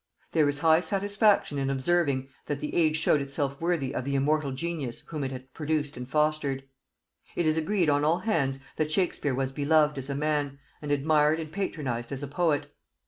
There is high satisfaction in observing, that the age showed itself worthy of the immortal genius whom it had produced and fostered. It is agreed on all hands that Shakespeare was beloved as a man, and admired and patronized as a poet.